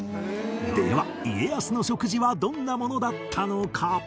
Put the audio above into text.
では家康の食事はどんなものだったのか？